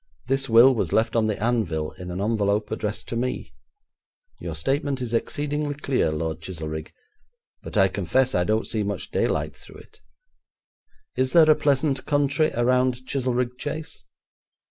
This will was left on the anvil, in an envelope addressed to me.' 'Your statement is exceedingly clear, Lord Chizelrigg, but I confess I don't see much daylight through it. Is there a pleasant country around Chizelrigg Chase?'